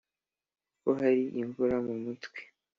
kuko hari imvura mumutwe.